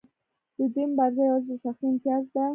د دوی مبارزه یوازې د شخصي امتیاز ده.